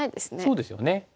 そうですよね。